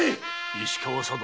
石川佐渡。